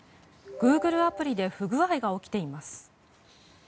グーグルアプリで不具合が起きています。